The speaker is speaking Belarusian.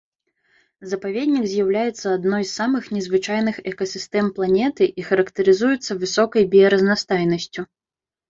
Запаведнік з'яўляецца адной з самых незвычайных экасістэм планеты і характарызуецца высокай біяразнастайнасцю.